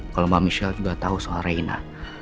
kalau mbak michelle juga tahu soal reina